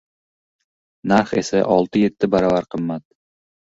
Narx esa olti-yetti baravar qimmat.